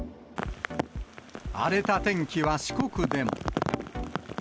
荒れた天気は四国でも。